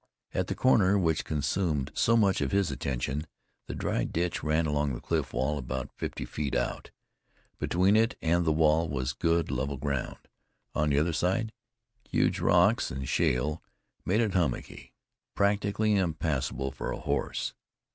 At the corner which consumed so much of his attention, the dry ditch ran along the cliff wall about fifty feet out; between it and the wall was good level ground, on the other side huge rocks and shale made it hummocky, practically impassable for a horse.